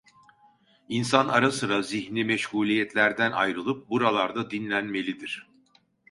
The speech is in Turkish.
İnsan ara sıra zihni meşguliyetlerden ayrılıp buralarda dinlenmelidir.